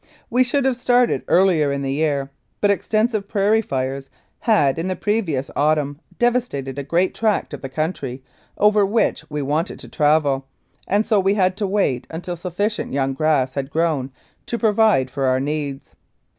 We should have started earlier in the year, but extensive prairie fires had in the previous autumn devastated a great tract of the country over which we wanted to travel, and so we had to wait until sufficient young grass had grown to provide for our needs.